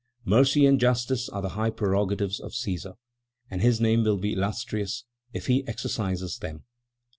"Mercy and justice are the high prerogatives of Cæsar, and his name will be illustrious if he exercises them.